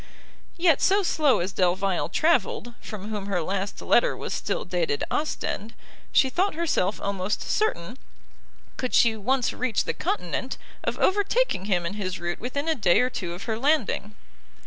Yet so slow as Delvile travelled, from whom her last letter was still dated Ostend, she thought herself almost certain, could she once reach the continent, of overtaking him in his route within a day or two of her landing.